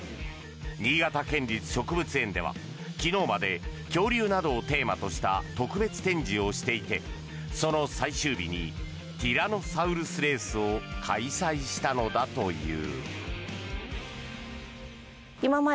新潟県立植物園では昨日まで恐竜などをテーマとした特別展示をしていてその最終日にティラノサウルスレースを開催したのだという。